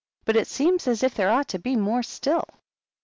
"But it seems as if there ought to be more still."